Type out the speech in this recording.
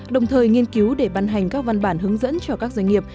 đồng thời nghiên cứu để ban hành các văn bản hướng dẫn cho các doanh nghiệp